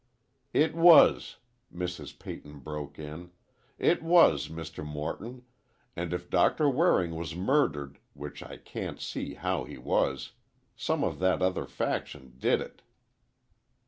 "It was," Mrs. Peyton broke in. "It was, Mr. Morton, and if Doctor Waring was murdered—which I can't see how he was—some of that other faction did it."